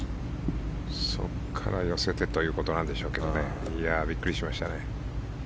そこから寄せてということでしょうけどびっくりしましたね。